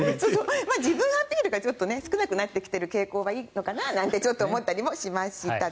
自分のアピールが少なくなってきている傾向はいいのかななんてちょっと思ったりもしました。